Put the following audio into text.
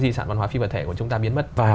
di sản văn hóa phi vật thể của chúng ta biến mất và